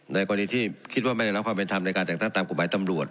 กรณีที่คิดว่าไม่ได้รับความเป็นธรรมในการแต่งตั้งตามกฎหมายตำรวจ